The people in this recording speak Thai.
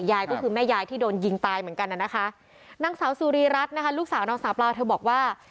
ยายก็คือแม่ยายที่โดนยิงตายเหมือนกันน่ะนะคะนางสาวสุรีรัฐนะคะลูกสาวนางสาวเปล่าเธอบอกว่า